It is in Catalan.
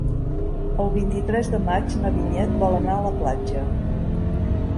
El vint-i-tres de maig na Vinyet vol anar a la platja.